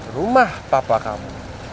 rumah papa kamu